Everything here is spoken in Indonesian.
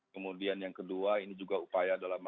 kemudian yang kedua ini juga upaya dalam